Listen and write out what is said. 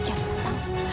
jika ada santang